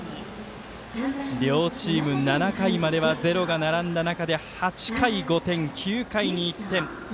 両チーム７回まではゼロが並んだ中で８回に５点、９回に１点。